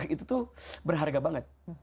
itu tuh berharga banget